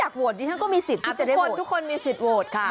ทุกคนมีสิทธิ์โหวตค่ะ